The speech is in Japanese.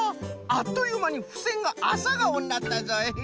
あっというまにふせんがアサガオになったぞい。